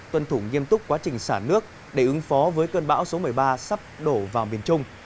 tuân thủ nghiêm túc quá trình xả nước để ứng phó với cơn bão số một mươi ba sắp đổ vào miền trung